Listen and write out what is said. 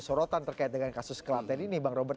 sorotan terkait dengan kasus kelaten ini bang robert